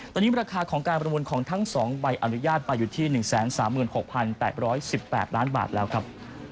ตอนนี้ราคาของการประมูลของทั้ง๒ใบอนุญาตไปอยู่ที่๑๓๖๘๑๘ล้านบาทแล้วครับ